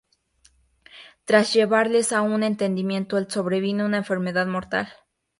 Tras llevarles a un entendimiento, le sobrevino una enfermedad mortal.